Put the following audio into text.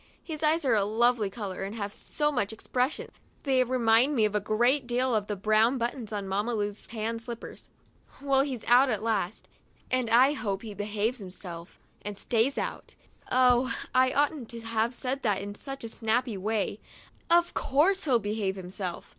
His eyes are a lovely color and have so much expres sion ; they remind me a great deal of the brown buttons on Mamma Lu's tan slippers. Well, he's out at last, and I hope he behaves himself and stays out. Oh, I oughtn't to have said that in such a snappy way ; of course he behaves himself